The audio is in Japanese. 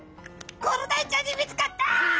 コロダイちゃんに見つかった！